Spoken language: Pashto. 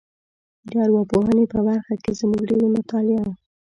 د ارواپوهنې په برخه کې زموږ ډېری مطالعه